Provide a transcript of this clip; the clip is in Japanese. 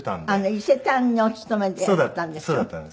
伊勢丹にお勤めでいらしたんでしょ？